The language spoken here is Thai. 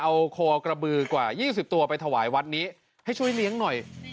เอาคอกระบือกว่า๒๐ตัวไปถวายวัดนี้ให้ช่วยเลี้ยงหน่อย